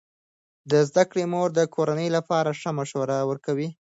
د زده کړې مور د کورنۍ لپاره ښه مشوره ورکوي.